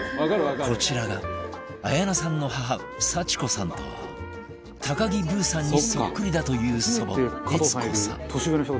こちらが綾菜さんの母幸子さんと高木ブーさんにそっくりだという祖母悦子さん